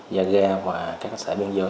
gia gia và các xã biên giới